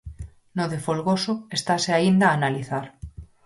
No de Folgoso estase aínda a analizar.